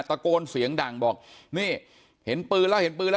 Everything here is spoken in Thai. ตะโกนเสียงดังบอกนี่เห็นปืนแล้วเห็นปืนแล้ว